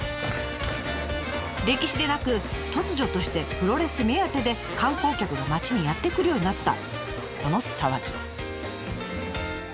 歴史でなく突如としてプロレス目当てで観光客が町にやって来るようになったこの騒ぎ。